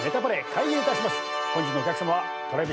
開演いたします。